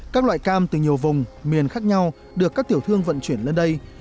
các loại cam từ nhiều vùng miền khác nhau được các tiểu thương vận chuyển lên đây